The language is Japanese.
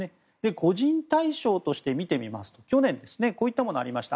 個人対象としてみてみますと去年こういったものがありました。